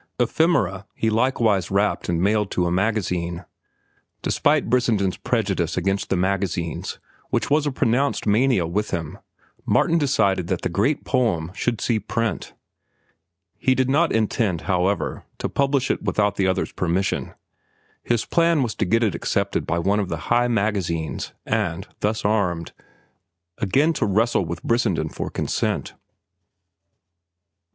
"Ephemera" he likewise wrapped and mailed to a magazine. Despite Brissenden's prejudice against the magazines, which was a pronounced mania with him, Martin decided that the great poem should see print. He did not intend, however, to publish it without the other's permission. His plan was to get it accepted by one of the high magazines, and, thus armed, again to wrestle with Brissenden for consent.